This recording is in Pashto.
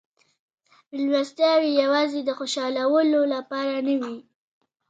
مېلمستیاوې یوازې د خوشحالولو لپاره نه وې.